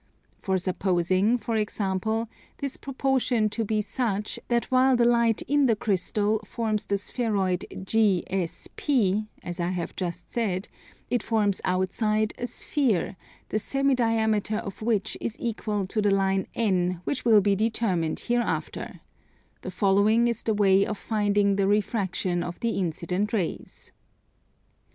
For supposing, for example, this proportion to be such that while the light in the crystal forms the spheroid GSP, as I have just said, it forms outside a sphere the semi diameter of which is equal to the line N which will be determined hereafter, the following is the way of finding the refraction of the incident rays.